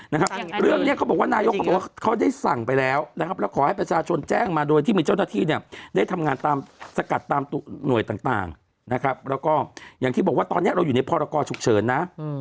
นะครับเรื่องเนี้ยเขาบอกว่านายกเขาบอกว่าเขาได้สั่งไปแล้วนะครับแล้วขอให้ประชาชนแจ้งมาโดยที่มีเจ้าหน้าที่เนี่ยได้ทำงานตามสกัดตามหน่วยต่างต่างนะครับแล้วก็อย่างที่บอกว่าตอนนี้เราอยู่ในพรกรฉุกเฉินนะ